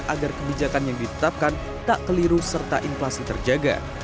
agar kebijakan yang ditetapkan tak keliru serta inflasi terjaga